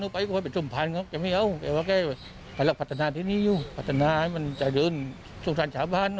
พลตำรวจเอกสุฌาเทียบรัชนาวรองภพบรรชาการ